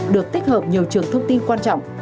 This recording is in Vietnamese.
được tích hợp nhiều trường thông tin quan trọng